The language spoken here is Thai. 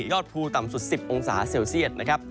อดภูต่ำสุด๑๐องศาเซลเซียตนะครับ